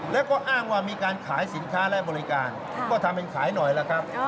แล้วก็อ้างว่ามีการขายสินค้าและบริการก็ทำเป็นขายหน่อยล่ะครับ